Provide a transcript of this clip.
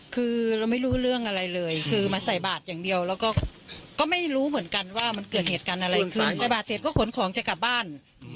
คือเราไม่รู้เรื่องอะไรเลยคือมาใส่บาทอย่างเดียวแล้วก็ไม่รู้เหมือนกันว่ามันเกิดเหตุการณ์อะไรขึ้นแต่บาทเสร็จก็ขนของจะกลับบ้าน